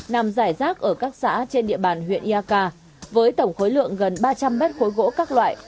nằm rải rác ở các xã trên địa bàn huyện erka với tổng khối lượng gần ba trăm linh bếp khối gỗ các loại